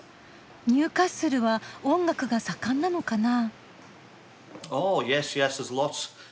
ニューカッスルは音楽が盛んなのかな？